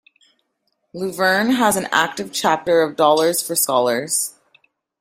Luverne has an active chapter of Dollars for Scholars.